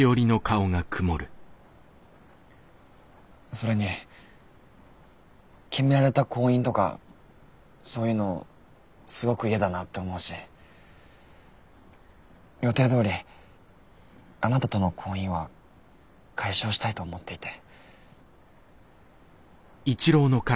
それに決められた婚姻とかそういうのすごく嫌だなって思うし予定どおりあなたとの婚姻は解消したいと思っていて。